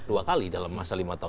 dua kali dalam masa lima tahun